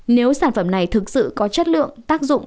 nếu sản phẩm này thực sự có chất lượng tác dụng